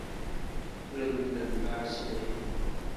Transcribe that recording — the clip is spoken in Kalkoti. رالم ڈنڈ باڑ سیلح این۔